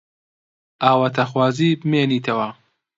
ئاواتەخوازی بمێنیتەوە؟